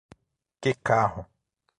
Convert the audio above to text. Que carro!